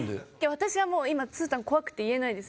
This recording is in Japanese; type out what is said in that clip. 私はもう今つーたん怖くて言えないです。